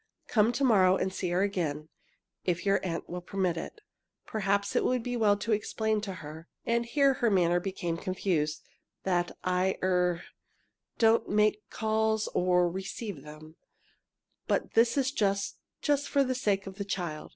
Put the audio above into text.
"Come to morrow and see her again if your aunt will permit it. Perhaps it would be well to explain to her " and here her manner became confused "that I er do not make calls or or receive them, but this is just just for the sake of the child."